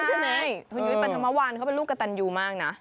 คุณยุ้ยปัฒนาวันเขาเป็นลูกกระตันยูมากนะ